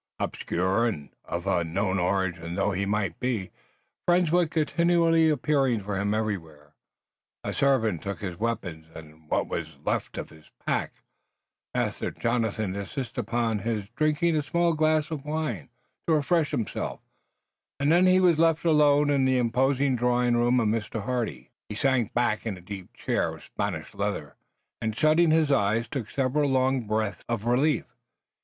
Obscure and of unknown origin though he might be, friends were continually appearing for him everywhere. A servant took his weapons and what was left of his pack, Master Jonathan insisted upon his drinking a small glass of wine to refresh himself, and then he was left alone in the imposing drawing room of Mr. Hardy. He sank back in a deep chair of Spanish leather, and shutting his eyes took several long breaths of relief.